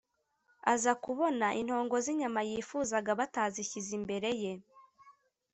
aza kubona intongo z'inyama yifuzaga batazishyize imbere ye.